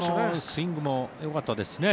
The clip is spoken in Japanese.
スイングもよかったですしね。